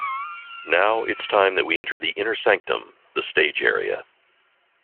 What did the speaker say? Now, it's time that we enter the inner sanctum, the stage area.